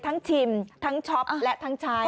ชิมทั้งช็อปและทั้งใช้